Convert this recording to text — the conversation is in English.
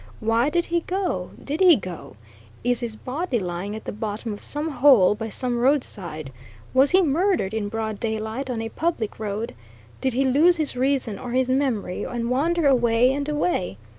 Why did he go? Did he go? Is his body lying at the bottom of some hole by some roadside? Was he murdered in broad daylight on a public road? Did he lose his reason or his memory, and wander away and away?